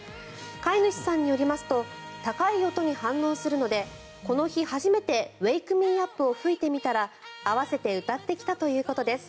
飼い主さんによりますと高い音に反応するのでこの日初めて「ＷａｋｅＭｅＵｐ」を吹いてみたら合わせて歌ってきたということです。